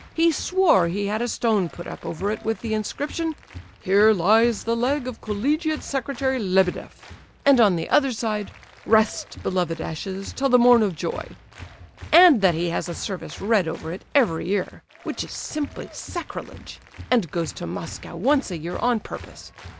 He swore he had a stone put up over it with the inscription: 'Here lies the leg of Collegiate Secretary Lebedeff,' and on the other side, 'Rest, beloved ashes, till the morn of joy,' and that he has a service read over it every year (which is simply sacrilege), and goes to Moscow once a year on purpose.